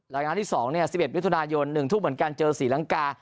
รายงานที่๒เนี่ย๑๑วิทยุณาโยน๑ทุ่มเหมือนกันเจอ๔หลังกา